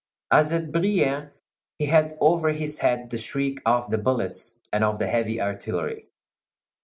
As at Brienne, he had over his head the shriek of the bullets and of the heavy artillery.